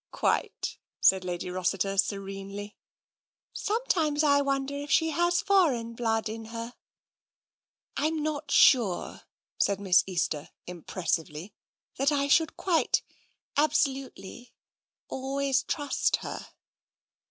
" Quite,*' agreed Lady Rossiter serenely. " Sometimes I wonder if she has foreign blood in her." "Why?" " I'm not sure," said Miss Easter impressively, " that I should quite, absolutely, always trust her."